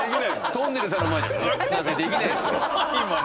とんねるずさんの前で「んんっ！」なんてできないですよ。